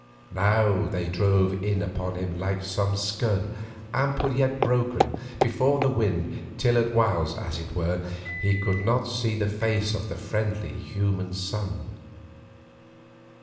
Now they drove in upon him like some scud, ample yet broken, before the wind, till at whiles, as it were, he could not see the face of the friendly, human sun.